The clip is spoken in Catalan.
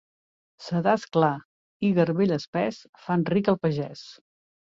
Sedàs clar i garbell espès fan ric el pagès.